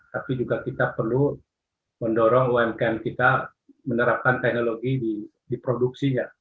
tapi juga kita perlu mendorong umkm kita menerapkan teknologi di produksinya